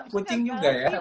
kucing juga ya